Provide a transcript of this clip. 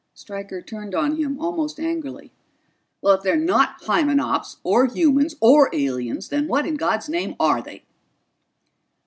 Stryker turned on him almost angrily. "If they're not Hymenops or humans or aliens, then what in God's name are they?"